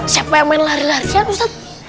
siapa yang main lari larian ustadz